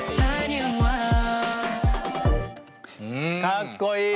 かっこいい！